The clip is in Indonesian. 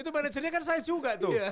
itu manajernya kan saya juga tuh